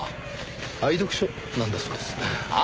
愛読書なんだそうです。はあ？